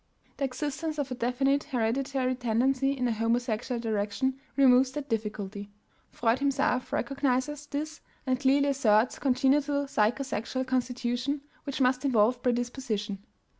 The existence of a definite hereditary tendency in a homosexual direction removes that difficulty. Freud himself recognizes this and clearly asserts congenital psycho sexual constitution, which must involve predisposition.